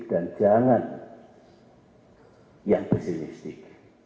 dan jangan yang pesimistik